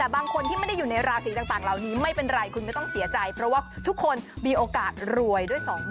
บ๊ายบาย